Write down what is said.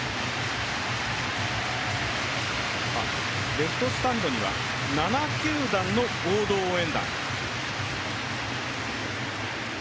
レフトスタンドには７球団の合同応援団。